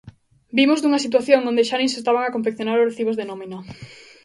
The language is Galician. Vimos dunha situación onde xa nin se estaban a confeccionar os recibos de nómina.